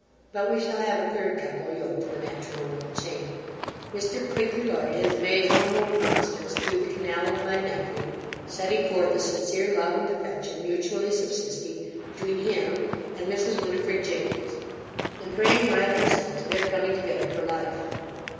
But we shall have a third couple yoked in the matrimonial chain. Mr Clinker Loyd has made humble remonstrance through the canal of my nephew, setting forth the sincere love and affection mutually subsisting between him and Mrs Winifred Jenkins, and praying my consent to their coming together for life.